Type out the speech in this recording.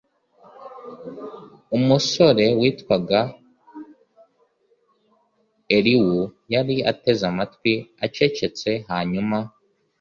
umusore witwaga elihu yari ateze amatwi acecetse hanyuma